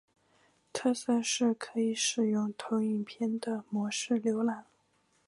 特色是可以使用投影片的模式浏览。